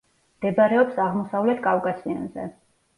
მდებარეობს აღმოსავლეთ კავკასიონზე.